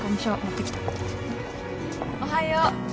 ・おはよう。